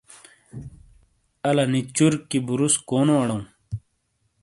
اَلا نی چُرکی بُرُوس کونو اَڑاؤں؟